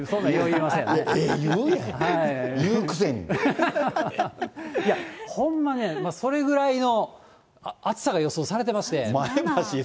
言うねん、いや、ほんまね、それぐらいの暑さが予想されてまして。